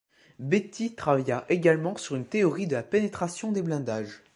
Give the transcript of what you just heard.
Bethe travailla également sur une théorie de la pénétration des blindages.